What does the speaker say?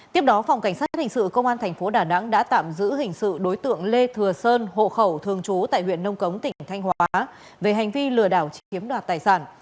tiếp đó phòng cảnh sát hình sự công an thành phố đà nẵng đã tạm giữ hình sự đối tượng lê thừa sơn hộ khẩu thường trú tại huyện nông cống tỉnh thanh hóa về hành vi lừa đảo chiếm đoạt tài sản